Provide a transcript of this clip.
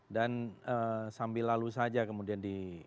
dan sambil lalu saja kemudian